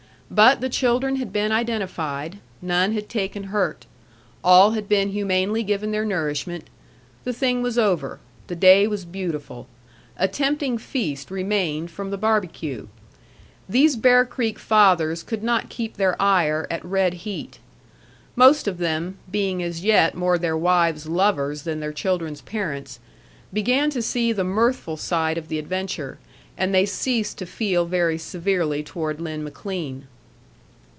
But the children had been identified; none had taken hurt. All had been humanely given their nourishment. The thing was over. The day was beautiful. A tempting feast remained from the barbecue. These Bear Creek fathers could not keep their ire at red heat. Most of them, being as yet more their wives' lovers than their children's parents, began to see the mirthful side of the adventure; and they ceased to feel very severely toward Lin McLean.